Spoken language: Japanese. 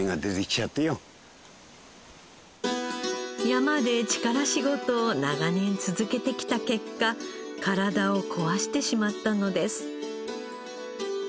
山で力仕事を長年続けてきた結果体を壊してしまったのです。